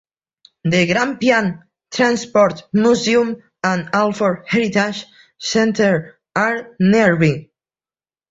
The Grampian Transport Museum and Alford Heritage Centre are nearby.